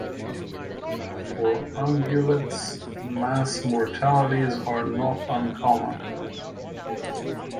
For ungulates mass mortalities are not uncommon.